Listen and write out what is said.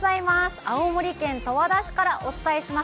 青森県十和田市からお伝えします。